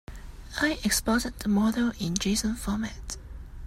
I exported the model in json format.